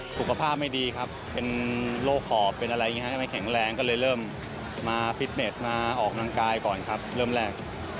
สุขภาพไม่ดีครับเป็นโรคหอบเป็นอะไรอย่างนี้ไม่แข็งแรงก็เลยเริ่มมาฟิตเน็ตมาออกกำลังกายก่อนครับเริ่มแรก